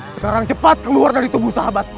sekarang cepat keluar dari tubuh sahabat